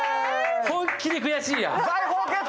本気で悔しいや！